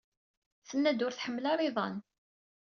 Tenna-d ur tḥemmel ara iḍan.